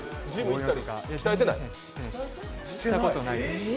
行ったことないです。